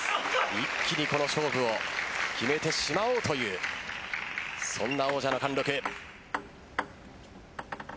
一気にこの勝負を決めてしまおうというそんな王者の貫禄。